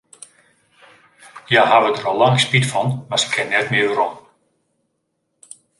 Hja hawwe dêr al lang spyt fan, mar se kinne net mear werom.